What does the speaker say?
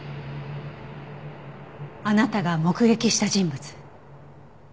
あなたが目撃した人物。